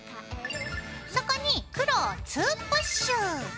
そこに黒を２プッシュ。